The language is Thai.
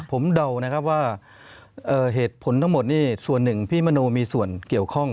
ผมเดานะครับว่าเหตุผลทั้งหมดนี่ส่วนหนึ่งพี่มโนมีส่วนเกี่ยวข้อง